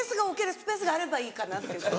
スペースがあればいいかなって。